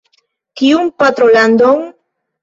Kiun patrolandon?